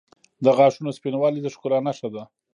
• د غاښونو سپینوالی د ښکلا نښه ده.